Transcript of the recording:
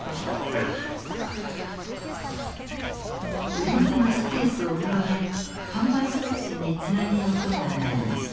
売り場のスペースを広げ販売促進につなげようと考えました。